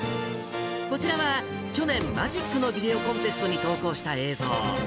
こちらは去年、マジックのビデオコンテストに投稿した映像。